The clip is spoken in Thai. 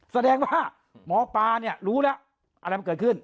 แสดงว่าหมอปลาเนี่ยรู้แล้วอะไรมันเกิดขึ้น